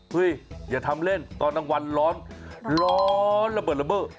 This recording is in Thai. เฮ่ยอย่าทำเล่นตอนตั้งวันร้อนร้อนระเบิด